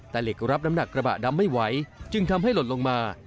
แต่เหล็กรับน้ำหนักกระบะดำไม่ไหวจึงทำให้หล่นลงมา